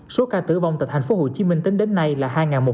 số ca tử vong tại tp hcm tính đến nay là hai một trăm linh năm